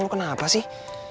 lo kenapa sih